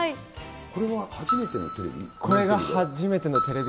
これは初めてのテレビ？